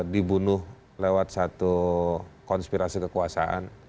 dibunuh lewat satu konspirasi kekuasaan